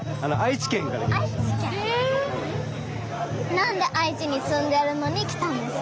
なんで愛知に住んでるのに来たんですか？